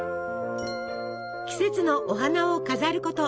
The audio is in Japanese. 季節のお花を飾ること。